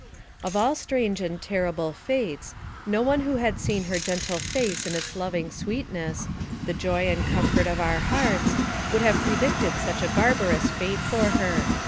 Of all strange and terrible fates, no one who had seen her gentle face in its loving sweetness, the joy and comfort of our hearts, would have predicted such a barbarous fate for her.